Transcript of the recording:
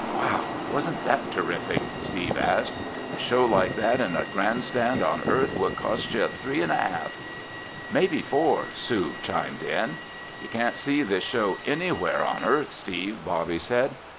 "Wow, wasn't that terrific?" Steve asked. "A show like that in a grandstand on Earth would cost you three and a half." "Maybe four!" Sue chimed in. "You can't see this show anywhere on Earth, Steve," Bobby said.